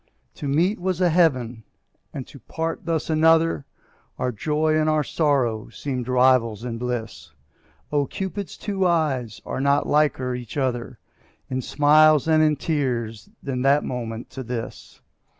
To meet was a heaven and to part thus another, Our joy and our sorrow seemed rivals in bliss; Oh! Cupid's two eyes are not liker each other In smiles and in tears than that moment to this.